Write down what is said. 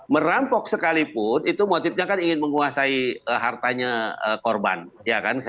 merampok sekalipun itu motifnya kan ingin menguasai hartanya korban ya kan